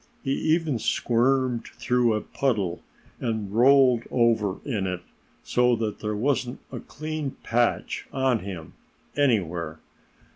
He even squirmed through a puddle and rolled over in it, so that there wasn't a clean patch on him, anywhere.